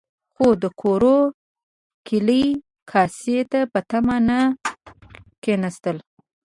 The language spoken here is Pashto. خو د کورو کلي کاسې ته په تمه نه کېناست.